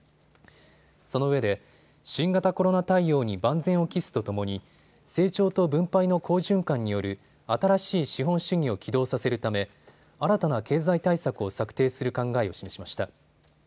そのうえで新型コロナ対応に万全を期すとともに成長と分配の好循環による新しい資本主義を起動させるため新たな経済対策を策定する考えを示しました。